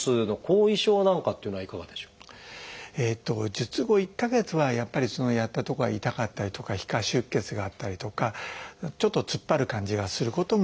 術後１か月はやっぱりやったとこが痛かったりとか皮下出血があったりとかちょっとつっぱる感じがすることもあります。